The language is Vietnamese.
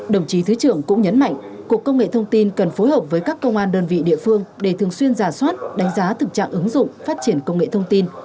đồng chí thứ trưởng cũng nhấn mạnh cục công nghệ thông tin cần phối hợp với các công an đơn vị địa phương để thường xuyên giả soát đánh giá thực trạng ứng dụng phát triển công nghệ thông tin